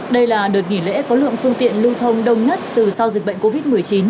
đây là đợt nghỉ lễ có lượng phương tiện lưu thông đông nhất từ sau dịch bệnh covid một mươi chín